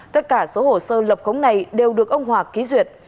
tất cả số hồ sơ lập khống này đều được ông hòa ký duyệt